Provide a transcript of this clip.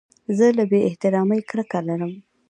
زه له بې احترامۍ کرکه لرم.